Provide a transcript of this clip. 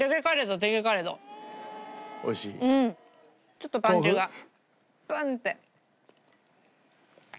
ちょっとパンチがグンッて。